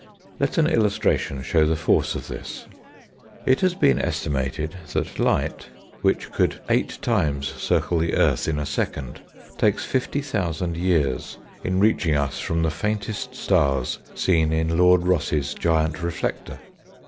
Let an illustration show the force of this:— It has been estimated that light, which could eight times circle the earth in a second, takes 50,000 years in reaching us from the faintest stars seen in Lord Rosse's giant reflector.